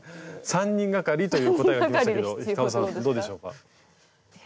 ３人がかりという答えがきましたけどｈｉｃａｏさんどうでしょうか？